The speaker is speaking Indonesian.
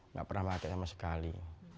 nggak pernah makan sama sekali